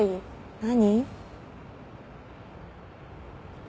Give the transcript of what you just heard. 何？